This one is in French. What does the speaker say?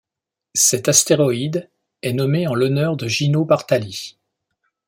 Cet astéroïde est nommé en l'honneur de Gino Bartali.